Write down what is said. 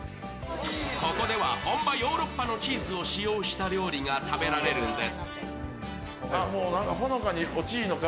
ここでは本場ヨーロッパのチーズを使用した料理が食べられるんです。